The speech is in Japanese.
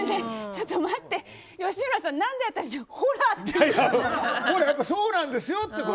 ちょっと待って吉村さん、何で私にやっぱりそうなんですよって。